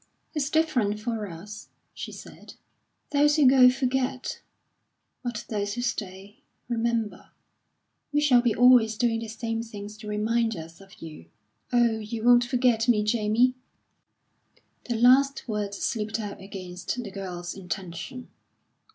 "It's different for us," she said, "Those who go forget, but those who stay remember. We shall be always doing the same things to remind us of you. Oh, you won't forget me, Jamie?" The last words slipped out against the girl's intention.